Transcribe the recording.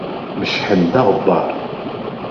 Mecḥen-d aɣebbar.